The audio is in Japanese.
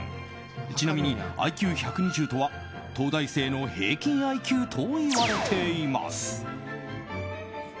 ちなみにＩＱ１２０とは東大生の平均ＩＱといわれています。